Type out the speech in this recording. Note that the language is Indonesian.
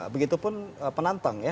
begitupun penantang ya